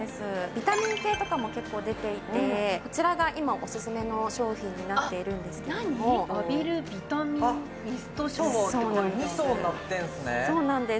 ビタミン系とかも結構出ていてこちらが今オススメの商品になっているんですけれども「浴びるビタミンミストシャワー」って書いてあるねそうなんです